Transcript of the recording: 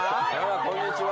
こんにちは。